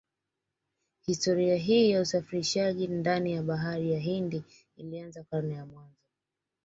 Historia hii ya usafirishaji ndani ya bahari ya Hindi ilianza karne za mwanzo